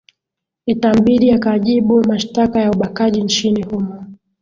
itambidi akajibu mashtaka ya ubakaji nchini humo